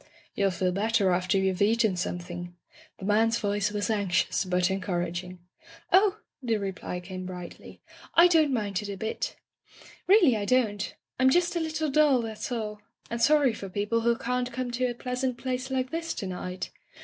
'' "You'll feel better after you've eaten something." The man's voice was anxious, but encouraging. "Oh!" the reply came brightly, "I don't mind it a bit. Really, I don't. I'm just a little dull, that's all — ^and sorry for people who can't come to a pleasant place like this to night.